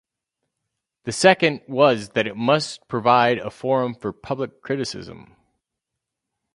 The second was that it must provide a forum for public criticism.